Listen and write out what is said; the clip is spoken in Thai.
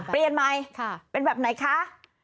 เปลี่ยนใหม่เป็นแบบไหนคะ